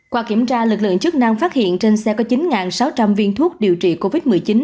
qua kiểm tra lực lượng chức năng phát hiện trên xe có chín sáu trăm linh viên thuốc điều trị covid một mươi chín